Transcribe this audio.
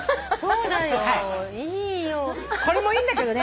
そうだよ。これもいいんだけどね。